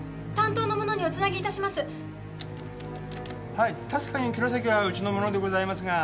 はい確かに城崎はうちの者でございますが。